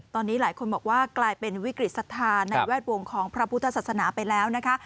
ตอนนี้หลายคนบอกว่ากลายเป็นวิกฤตศรัทธาในแวดวงของพระพุทธศาสนาไปแล้วนะคะ